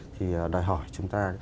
thì đòi hỏi chúng ta